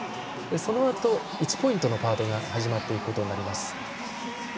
そのあと、１ポイントのパートが始まっていくことになります。